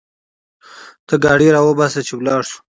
ته ګاډی راوباسه چې لاړ شو